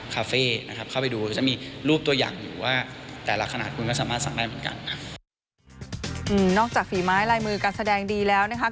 เข้าไปดูก็จะมีรูปตัวอย่างอยู่ว่าแต่ละขนาดคุณก็สามารถสั่งได้เหมือนกันนอกจากฝีไม้ลายมือการแสดงดีแล้วนะครับ